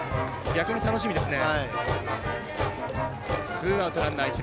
逆に楽しみですね。